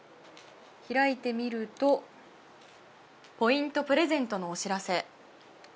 開いてみるとポイントプレゼントのお知らせ。